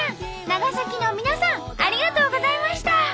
長崎の皆さんありがとうございました！